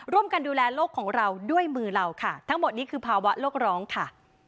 ร่วมกันดูแลโลกของเราด้วยมือเราค่ะทั้งหมดนี้คือภาวะโลกร้องค่ะ